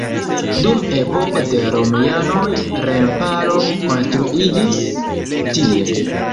Dum epoko de romianoj remparo konstruiĝis tie.